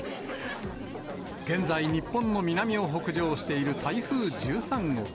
現在、日本の南を北上している台風１３号。